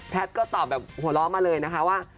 แพทย์ก็ตอบแบบหัวล้อมาเลยนะคะว่า